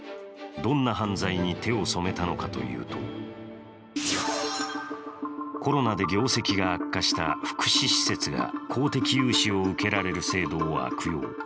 どんな犯罪に手を染めたのかというとコロナで業績が悪化した福祉施設が公的融資を受けられる制度を悪用。